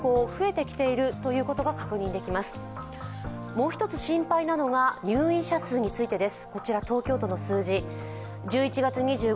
もう一つ心配なのが入院者数です。